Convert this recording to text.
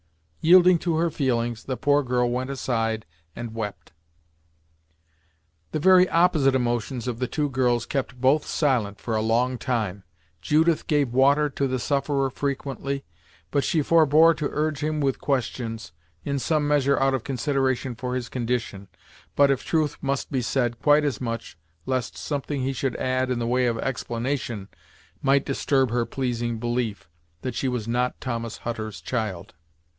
Yielding to her feelings, the poor girl went aside and wept. The very opposite emotions of the two girls kept both silent for a long time. Judith gave water to the sufferer frequently, but she forbore to urge him with questions, in some measure out of consideration for his condition, but, if truth must be said, quite as much lest something he should add in the way of explanation might disturb her pleasing belief that she was not Thomas Hutter's child.